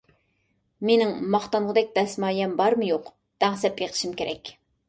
مېنىڭ ماختانغۇدەك دەسمايەم بارمۇ يوق؟ دەڭسەپ بېقىشىم كېرەك.